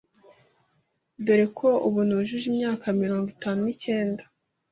doreko ubu nujuje imyakamirongo itatu nicyenda